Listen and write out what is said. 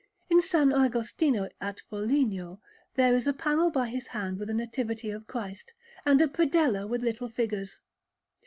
In S. Agostino at Foligno there is a panel by his hand with a Nativity of Christ, and a predella with little figures.